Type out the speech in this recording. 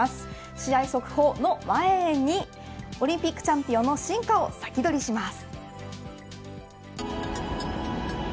試合速報の前にオリンピックチャンピオンの進化をサキドリします。